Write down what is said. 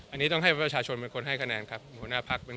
อันนี้ต้องให้ประชาชนให้กำลังให้คะแนนครับ